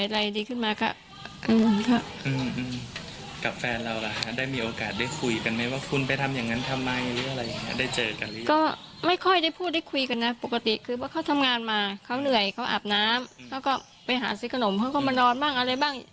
แล้วก็ไปหาสิ้นขนมเขาก็มานอนบ้างอะไรบ้าง